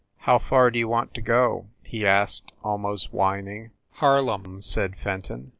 "How far d you want to go ?" he asked, almost whining. "Harlem," said Fenton.